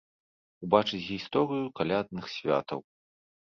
Убачыць гісторыю калядных святаў.